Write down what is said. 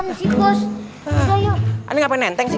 ntar di sini ngapain nenteng sih